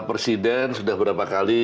presiden sudah beberapa kali